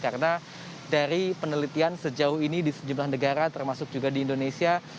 karena dari penelitian sejauh ini di sejumlah negara termasuk juga di indonesia